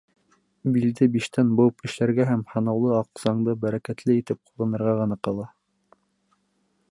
Билде биштән быуып эшләргә һәм һанаулы аҡсаңды бәрәкәтле итеп ҡулланырға ғына ҡала.